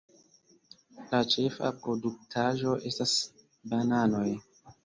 La ĉefa produktaĵo estas bananoj.